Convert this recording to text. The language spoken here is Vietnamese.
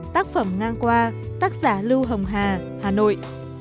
tác phẩm ngang qua tác giả lưu hồng hà hà nội